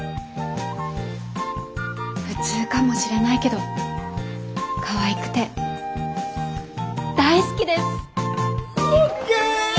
普通かもしれないけどかわいくて大好きです！ＯＫ！